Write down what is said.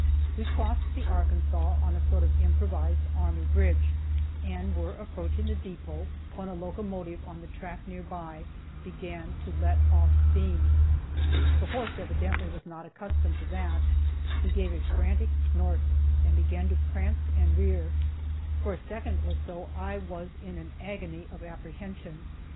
We crossed the Arkansas on a sort of improvised army bridge, and were approaching the depot, when a locomotive on the track near by began to let off steam. The horse evidently was not accustomed to that, he gave a frantic snort, and began to prance and rear. For a second or so I was in an agony of apprehension.